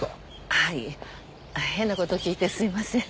はい変なこと聞いてすいません。